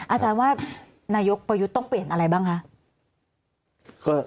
อาจารย์ว่านายกประยุทธ์ต้องเปลี่ยนอะไรบ้างคะ